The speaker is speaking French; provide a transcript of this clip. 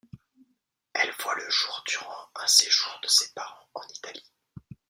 Elle voit le jour durant un séjour de ses parents en Italie.